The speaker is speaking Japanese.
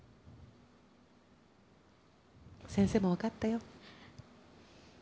先生も分かったよ。